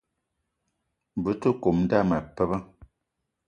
Be te kome dame pabe